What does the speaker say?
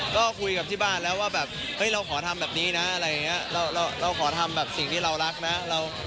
ก็คุยกับที่บ้านแล้วว่าแบบเฮ้ยเราขอทำแบบนี้นะอะไรอย่างนี้เราขอทำแบบสิ่งที่เรารักนะ